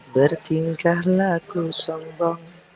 bertingkah laku sombong